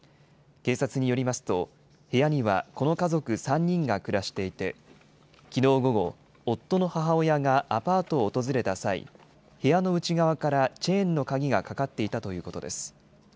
警察によりますと、部屋にはこの家族３人が暮らしていて、きのう午後、夫の母親がアパートを訪れた際、部屋の内側からチェーンの鍵がかかっていたということです。